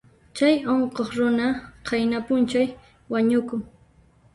Chay unquq runa qayna p'unchay wañukun.